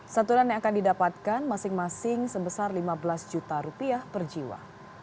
santunan yang akan didapatkan masing masing sebesar lima belas juta rupiah per jiwa